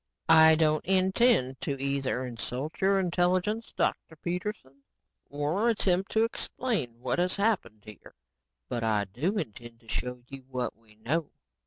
"I don't intend to either insult your intelligence, Dr. Peterson, or attempt to explain what has happened here. But I do intend to show you what we know."